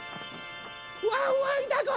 ワンワンだこ！